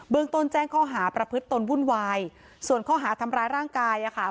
ต้นแจ้งข้อหาประพฤติตนวุ่นวายส่วนข้อหาทำร้ายร่างกายอ่ะค่ะ